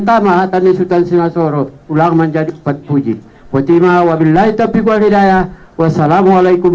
tamah atasnya sultan sinasoro ulang menjadi empat puluh jik wajib awal itopi kualidaya wassalamu'alaikum